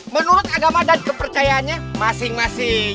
menurut agama dan kepercayaannya masing masing